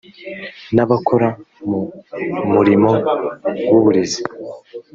n abakora mu murimo w uburezi